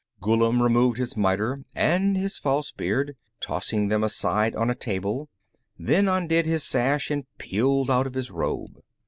Ghullam removed his miter and his false beard, tossing them aside on a table, then undid his sash and peeled out of his robe.